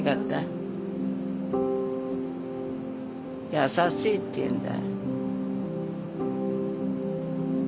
優しいっていうんだ。